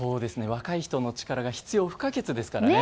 若い人の力が必要不可欠ですからね。